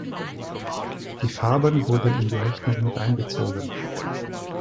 Die Farben wurden in die Rechnung miteinbezogen.